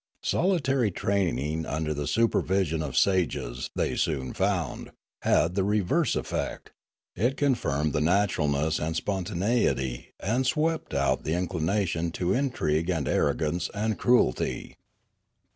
Soli tary training under the supervision of sages, they soon found, had the reverse effect; it confirmed the natural ness and spontaneity, and swept out the inclination to intrigue and arrogance and cruelty.